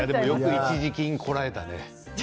一時金こらえたね。